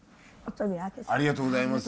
ありがとうございます。